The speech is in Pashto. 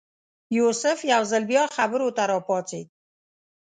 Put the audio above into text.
یوسف یو ځل بیا خبرو ته راپاڅېد.